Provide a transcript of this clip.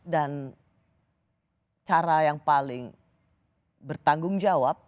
dan cara yang paling bertanggung jawab